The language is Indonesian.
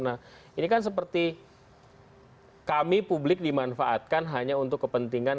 nah ini kan seperti kami publik dimanfaatkan hanya untuk kepentingan